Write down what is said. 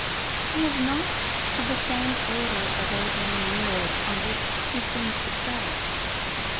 He is not of the same order as the labouring myriads on which he seems to tread.